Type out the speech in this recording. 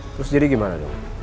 terus jadi gimana dong